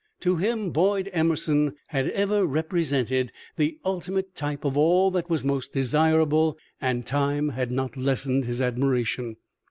To him, Boyd Emerson had ever represented the ultimate type of all that was most desirable, and time had not lessened his admiration.